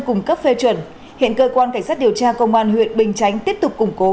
cung cấp phê chuẩn hiện cơ quan cảnh sát điều tra công an huyện bình chánh tiếp tục củng cố